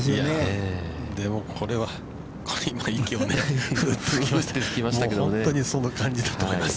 ◆でもこれ、息をつきましたけど、本当にそんな感じだと思います。